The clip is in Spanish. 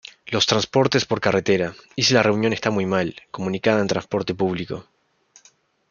Los transportes por carretera: Isla Reunión está muy mal comunicada en trasporte público.